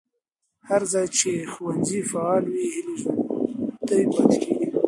هر هغه ځای چې ښوونځي فعال وي، هیلې ژوندۍ پاتې کېږي.